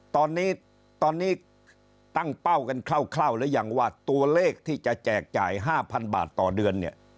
ตอนนี้ตอนนี้ตั้งเป้ากันคร่าวหรือยังว่าตัวเลขที่จะแจกจ่าย๕๐๐บาทต่อเดือนเนี่ย